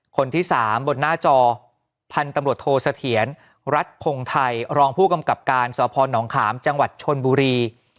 คนที่สามบนหน้าจอพตโธสะเถียนรัฐผงไทยรองผู้กำกับการสผหนองขา๋มจังหวัดชวนบุรี